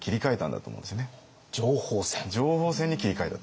情報戦に切り替えたと。